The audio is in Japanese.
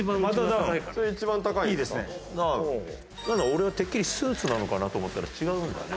俺はてっきりスーツなのかなと思ったら違うんだね。